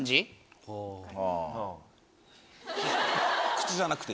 口じゃなくて？